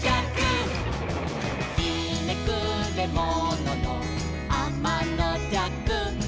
「ひねくれもののあまのじゃく」